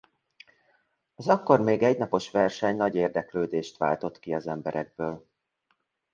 Az akkor még egynapos verseny nagy érdeklődést váltott ki az emberekből.